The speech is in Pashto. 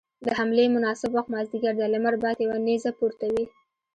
د حملې مناسب وخت مازديګر دی، لمر بايد يوه نيزه پورته وي.